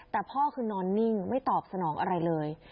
แต่พ่อคือนอนนิ่งไม่ตอบสนองอะไรเลย